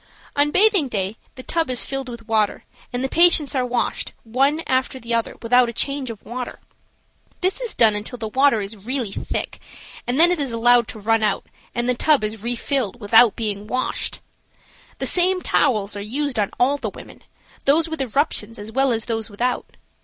On bathing day the tub is filled with water, and the patients are washed, one after the other, without a change of water. This is done until the water is really thick, and then it is allowed to run out and the tub is refilled without being washed. The same towels are used on all the women, those with eruptions as well as those without.